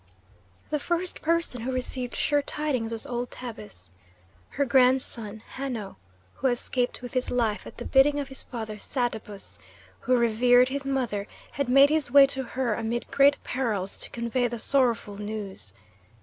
The first person who received sure tidings was old Tabus. Her grandson Hanno, who escaped with his life, at the bidding of his father Satabus, who revered his mother, had made his way to her amid great perils to convey the sorrowful news.